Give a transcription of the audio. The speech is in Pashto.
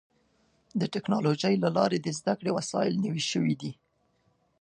د ټکنالوجۍ له لارې د زدهکړې وسایل نوي شوي دي.